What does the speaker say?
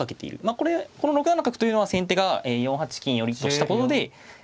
これこの６七角というのは先手が４八金寄としたことで生まれた手ですね。